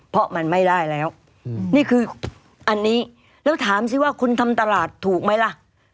เพราะมันไม่ได้แล้วนี่คืออันนี้แล้วถามสิว่าคุณทำตลาดถูกไหมล่ะ